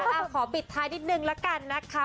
เออนะคะขอปิดท้ายนิดนึงละกันนะคะ